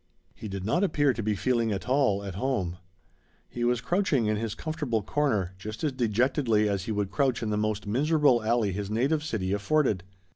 He did not appear to be feeling at all at home. He was crouching in his comfortable corner just as dejectedly as he would crouch in the most miserable alley his native city afforded.